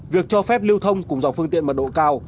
việc cho phép lưu thông cùng dòng phương tiện mật độ cao